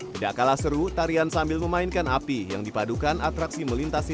tidak kalah seru tarian sambil memainkan api yang dipadukan atraksi melintasi